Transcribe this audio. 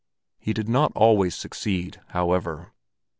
He did not always succeed, however.